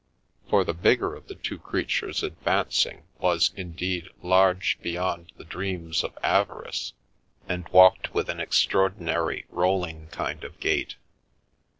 " For the bigger of the two creatures advancing was, indeed, large beyond the dreams of avarice, and walked with an extraordinary rolling kind of gait.